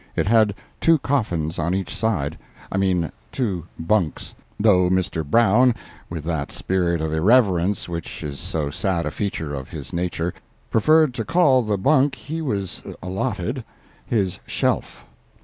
It had two coffins on each side—I mean two bunks—though Mr. Brown, with that spirit of irreverence which is so sad a feature of his nature, preferred to call the bunk he was allotted his shelf.